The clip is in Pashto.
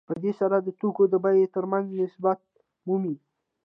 په دې سره د توکو د بیې ترمنځ نسبت مومي